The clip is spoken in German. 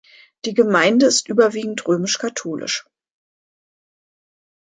Die Gemeinde ist überwiegend römisch-katholisch.